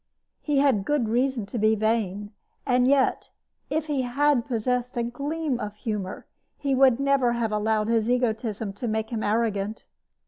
He had good reason to be vain, and yet, if he had possessed a gleam of humor, he would never have allowed his egoism to make him arrogant.